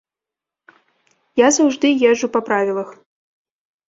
Я заўжды езджу па правілах.